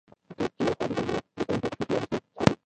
اتڼ که يو خوا د زلميو دپښتون زړه دشوخۍ او مستۍ اظهار دے